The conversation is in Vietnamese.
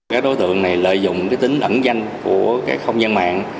các đối tượng này lợi dụng tính ẩn danh của các không gian mạng